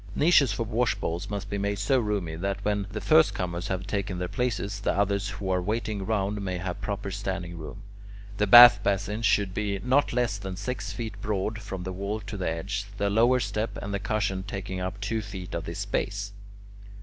Niches for washbowls must be made so roomy that when the first comers have taken their places, the others who are waiting round may have proper standing room. The bath basin should be not less than six feet broad from the wall to the edge, the lower step and the "cushion" taking up two feet of this space.